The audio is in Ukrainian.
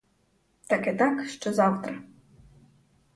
Таки так, що завтра.